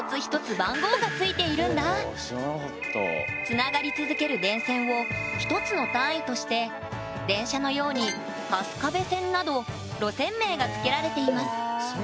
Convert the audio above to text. つながり続ける電線を一つの単位として電車のように「春日部線」など路線名がつけられています。